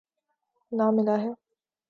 نہ ملاح ہے۔